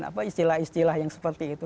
apa istilah istilah yang seperti itu